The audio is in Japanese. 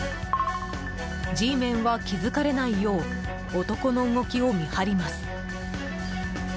Ｇメンは気づかれないよう男の動きを見張ります。